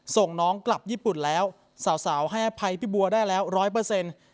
ส่งน้องกลับญี่ปุ่นแล้วสาวให้อภัยพี่บัวได้แล้วร้อยเปอร์เซ็นต์